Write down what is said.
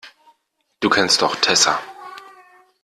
Du kennst doch Tessa.